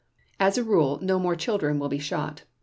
. As a rule no more children will be shot